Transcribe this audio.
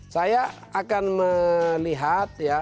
saya akan melihat ya